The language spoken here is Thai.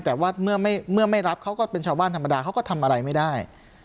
แต่ว่าเมื่อไม่รับเขาก็เป็นชาวบ้านธรรมดาเขาก็ทำอะไรไม่ได้